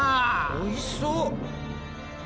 おいしそう！